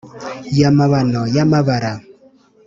ya mabano ya mabara,